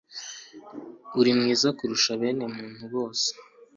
Uri mwiza kurusha bene muntu bose